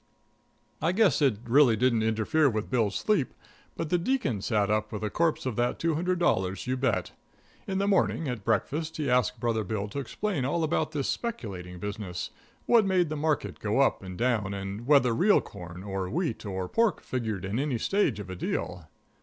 I guess it really didn't interfere with Bill's sleep, but the Deacon sat up with the corpse of that two hundred dollars, you bet. In the morning at breakfast he asked Brother Bill to explain all about this speculating business, what made the market go up and down, and whether real corn or wheat or pork figured in any stage of a deal.